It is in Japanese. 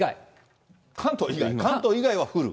関東以外は降る？